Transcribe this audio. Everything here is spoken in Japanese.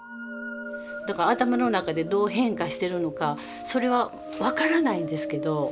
だから頭の中でどう変化してるのかそれは分からないんですけど。